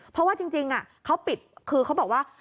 เพราะว่าจริงเขาปิดคือเขาบอกว่า